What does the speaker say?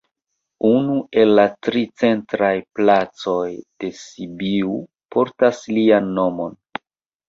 Unu el la tri centraj placoj de Sibiu portas lian nomon.